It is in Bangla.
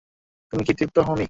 তুমি কি তৃপ্ত হওনি?